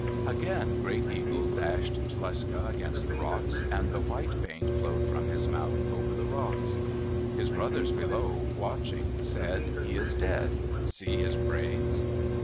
Again Great Eagle dashed Tlecsa against the rocks, and the white paint flowed from his mouth over the rocks. His brothers below, watching, said, "He is dead. See his brains."